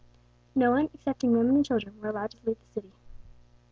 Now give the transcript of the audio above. No one, excepting women and children, were allowed to leave the city.